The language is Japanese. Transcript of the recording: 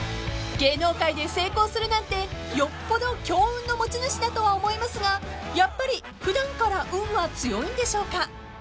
［芸能界で成功するなんてよっぽど強運の持ち主だとは思いますがやっぱり普段から運は強いんでしょうか？］